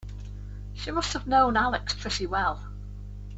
She must have known Alex pretty well.